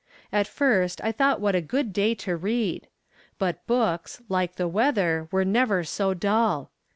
'At first I thought what a good day to read ! but books, like the weather, were never so dull.